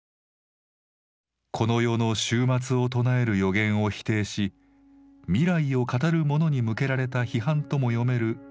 この世の終末を唱える予言を否定し未来を語る者に向けられた批判とも読める